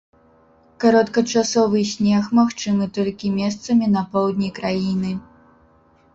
Кароткачасовы снег магчымы толькі месцамі на поўдні краіны.